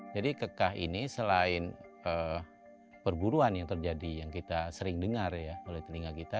jadi kekah ini selain perguruan yang terjadi yang kita sering dengar ya oleh telinga kita